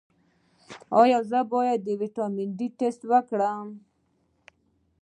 ایا زه باید د ویټامین ډي ټسټ وکړم؟